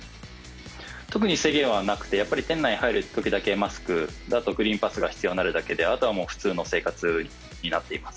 特に制限はなくて、店内入るときだけマスク、あとグリーンパスが必要になるだけであとは生活は普通になっています。